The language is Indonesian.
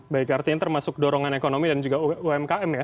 baik artinya termasuk dorongan ekonomi dan juga umkm ya